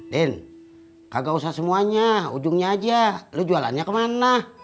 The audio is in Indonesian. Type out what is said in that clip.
din kagak usah semuanya ujungnya aja lo jualannya kemana